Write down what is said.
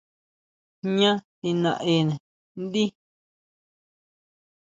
¿Jñá tijnaene ndí?